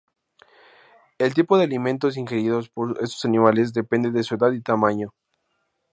El tipo de alimentos ingeridos por estos animales depende de su edad y tamaño.